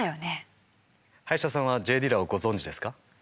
林田さんはＪ・ディラをご存じですか？